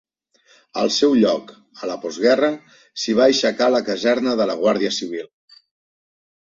Al seu lloc, a la postguerra, s'hi va aixecar la caserna de la Guàrdia civil.